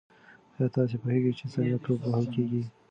ایا تاسي پوهېږئ چې څنګه توپ وهل کیږي؟